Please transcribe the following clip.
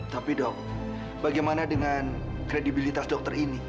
tapi dok bagaimana dengan kredibilitas dokter ini